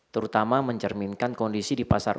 terutama mencerminkan kondisi di pasar